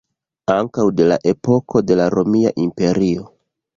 Ankaŭ de la epoko de la Romia Imperio.